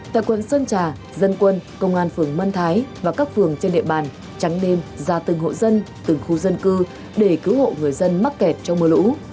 tại quận sơn trà dân quân công an phường mân thái và các phường trên địa bàn trắng đêm ra từng hộ dân từng khu dân cư để cứu hộ người dân mắc kẹt trong mưa lũ